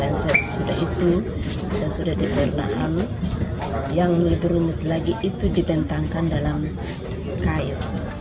dan saya sudah itu saya sudah diwarna alat yang lebih rumit lagi itu dipentangkan dalam kayu